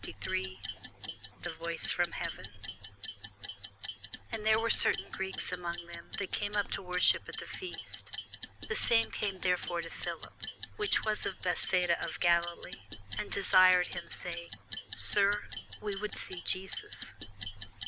CHAPTER 53 THE VOICE FROM HEAVEN AND there were certain Greeks among them that came up to worship at the feast: the same came therefore to Philip, which was of Bethsaida of Galilee, and desired him, saying, Sir, we would see Jesus.